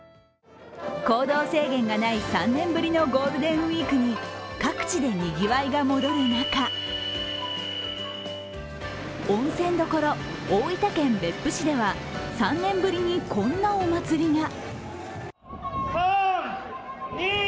行動制限がない３年ぶりのゴールデンウイークに各地でにぎわいが戻る中温泉どころ、大分県別府市では３年ぶりにこんなお祭りが。